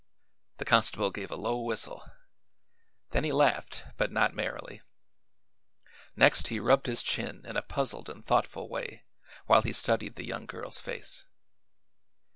The constable gave a low whistle; then he laughed, but not merrily; next he rubbed his chin in a puzzled and thoughtful way while he studied the young girl's face.